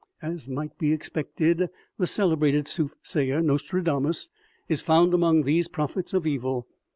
As might be expected, the celebrated soothsayer, Nostradamus, is found among these prophets of evil.